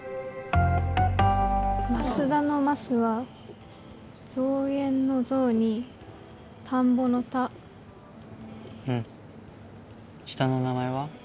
マスダの「マス」は増減の「増」に田んぼの「田」うん下の名前は？